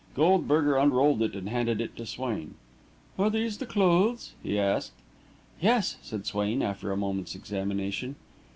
Goldberger unrolled it and handed it to Swain. "Are these the clothes?" he asked. "Yes," said Swain, after a moment's examination.